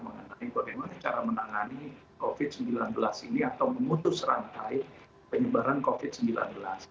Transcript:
mengenai bagaimana cara menangani covid sembilan belas ini atau memutus rantai penyebaran covid sembilan belas